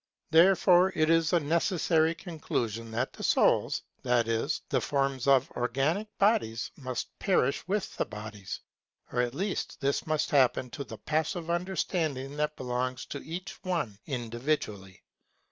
Therefore it is a necessary conclusion that the souls, that is, the forms of organic bodies, must perish with the bodies, or at least this must happen to the passive understanding that belongs to each one individually.